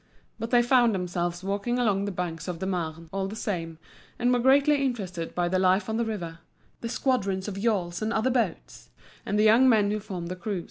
But they found themselves walking along the banks of the Marne, all the same, and were greatly interested by the life on the river, the squadrons of yawls and other boats, and the young men who formed the crews.